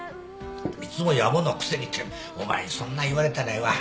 「いつもやぼなくせに」ってお前にそんなん言われたないわ。